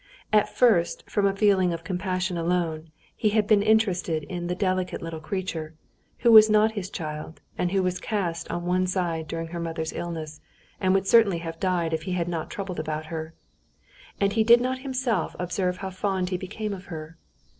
At first, from a feeling of compassion alone, he had been interested in the delicate little creature, who was not his child, and who was cast on one side during her mother's illness, and would certainly have died if he had not troubled about her, and he did not himself observe how fond he became of her.